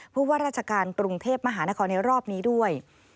ผู้ว่าราชการกรุงเทพมหานครในรอบนี้ด้วย